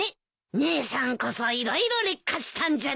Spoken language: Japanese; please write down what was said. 姉さんこそ色々劣化したんじゃないの？